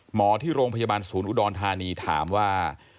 หมอที่โรงพยาบาลศูนย์อุดรธานีถามว่า